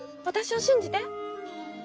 私を信じて。